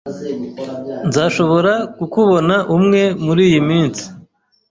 Nzashobora kukubona umwe muriyi minsi.